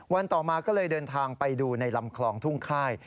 ต่อมาก็เลยเดินทางไปดูในลำคลองทุ่งค่าย